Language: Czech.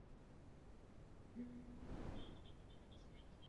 Nemají plynový měchýř.